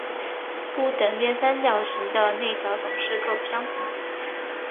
不等边三角形的内角总是各不相同。